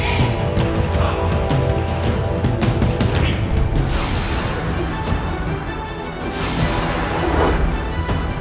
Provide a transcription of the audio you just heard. jangan berani kurang ajar padaku